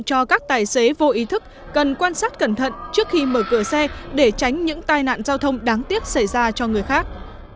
cho các tài xế vô ý thức cần quan sát cẩn thận trước khi mở cửa xe để tránh những tai nạn giao thông đáng tiếc xảy ra cho người khác